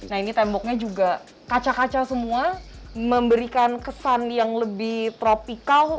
nah ini temboknya juga kaca kaca semua memberikan kesan yang lebih tropikal